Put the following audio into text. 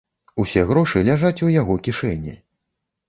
Усе грошы ляжаць у яго кішэні.